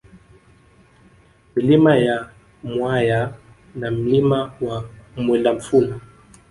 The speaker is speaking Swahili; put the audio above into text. Milima ya Mwaya na Mlima wa Mwelamfula